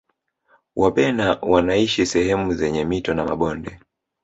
wabena wanaishi sehemu zenye mito na mabonde